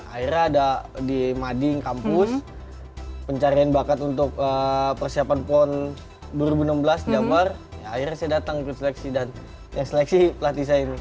akhirnya ada di mading kampus pencarian bakat untuk persiapan pon dua ribu enam belas jabar akhirnya saya datang ke seleksi dan seleksi pelatih saya ini